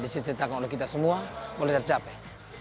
dan disertakan oleh kita semua boleh tercapai